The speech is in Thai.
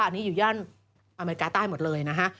อันนี้อยู่ย่านอเมริกาใต้หมดเลยนะฮะ